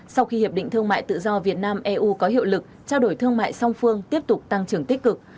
sau khi hiệp định thương mại tự do việt nam eu có hiệu lực trao đổi thương mại song phương tiếp tục tăng trưởng tích cực